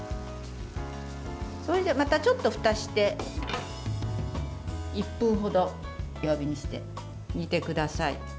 それで、ちょっとふたをして１分ほど弱火にして煮てください。